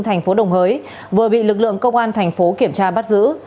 thành phố đồng hới vừa bị lực lượng công an thành phố kiểm tra bắt giữ